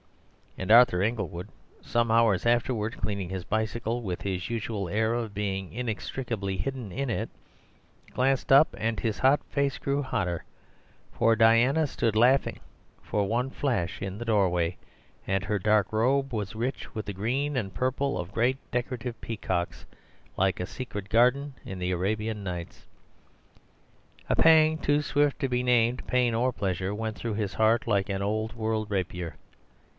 And Arthur Inglewood, some hours afterwards cleaning his bicycle (with his usual air of being inextricably hidden in it), glanced up; and his hot face grew hotter, for Diana stood laughing for one flash in the doorway, and her dark robe was rich with the green and purple of great decorative peacocks, like a secret garden in the "Arabian Nights." A pang too swift to be named pain or pleasure went through his heart like an old world rapier.